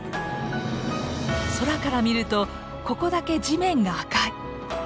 空から見るとここだけ地面が赤い。